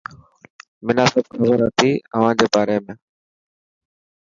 منان سڀ کبر هتي اوهان جي باري ۾.